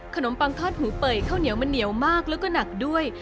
ปังทอดหูเป่ยข้าวเหนียวมันเหนียวมากแล้วก็หนักด้วย